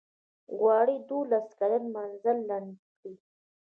غواړي دولس کلن مزل لنډ کړي.